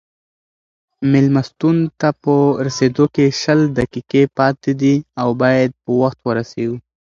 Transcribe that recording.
مېلمستون ته په رسېدو کې شل دقیقې پاتې دي او باید په وخت ورسېږو.